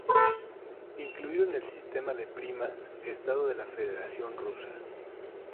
Incluido en el sistema de primas estado de la Federación Rusa.